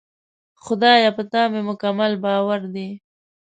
خدایه! په تا مې مکمل باور دی.